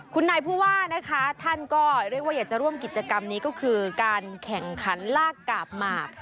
คุณนายผู้ว่านะคะท่านก็เรียกว่าอยากจะร่วมกิจกรรมนี้ก็คือการแข่งขันลากกาบหมาก